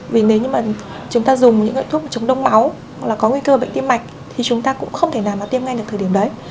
vì nếu như mà chúng ta dùng những loại thuốc chống đông máu hoặc là có nguy cơ bệnh tim mạch thì chúng ta cũng không thể nào mà tiêm ngay được thời điểm đấy